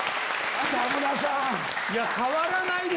北村さん。